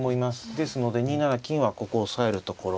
ですので２七金はここ押さえるところ。